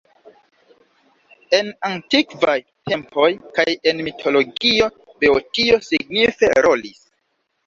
En antikvaj tempoj kaj en mitologio Beotio signife rolis.